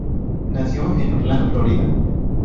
Nació en Orlando, Florida.